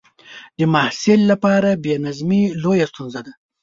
د محصل لپاره بې نظمي لویه ستونزه ده.